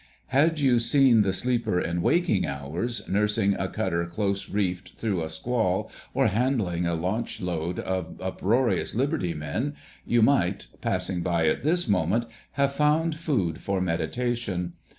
Had you seen the sleeper in waking hours, nursing a cutter close reefed through a squall, or handling a launch load of uproarious liberty men, you might, passing by at this moment, have found food for meditation.